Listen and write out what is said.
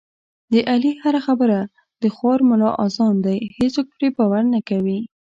د علي هره خبره د خوار ملا اذان دی، هېڅوک پرې باور نه کوي.